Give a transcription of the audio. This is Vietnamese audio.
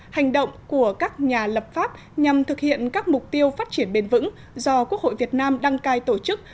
hành động của các nhà lập pháp nhằm thực hiện các mục tiêu phát triển bền vững do quốc hội việt nam đăng cai tổ chức